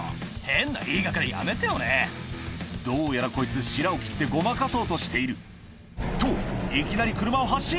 どうやらこいつしらを切ってごまかそうとしているといきなり車を発進！